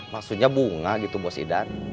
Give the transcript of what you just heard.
maksudnya bunga gitu bos idan